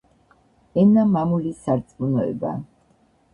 “ენა, მამული, სარწმუნოება”